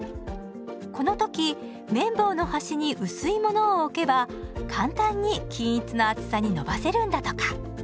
この時めん棒の端に薄いものを置けば簡単に均一の厚さに伸ばせるんだとか。